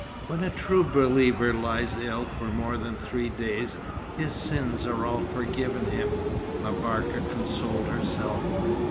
"When a true believer lies ill for more than three days, his sins are all forgiven him," M'Barka consoled herself.